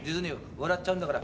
笑っちゃうんだから。